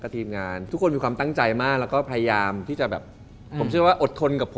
แต่ผมที่แบบว่า